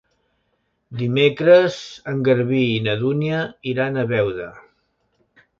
Dimecres en Garbí i na Dúnia iran a Beuda.